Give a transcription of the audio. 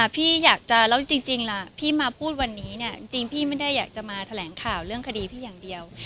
พี่อยากจะแล้วจริงล่ะพี่มาพูดวันนี้เนี่ยจริงพี่ไม่ได้อยากจะมาแถลงข่าวเรื่องคดีพี่อย่างเดียว